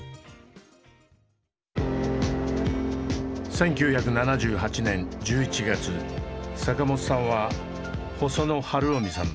１９７８年１１月坂本さんは細野晴臣さん